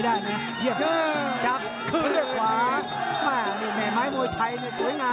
ติ้งขวาจิ้นขวาจิ้นขวาจิ้นขวา